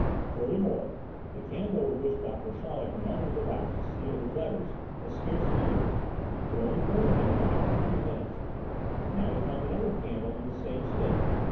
"Furthermore, the candle with which Doctor Chaleck melted the wax to seal his letters was scarcely used, it only burned in fact a few minutes. Now we found another candle in the same state.